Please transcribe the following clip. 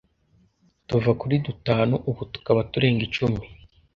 tuva kuri dutanu ubu tukaba turenga icumi”.